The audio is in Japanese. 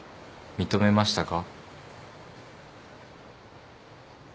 認めましたか？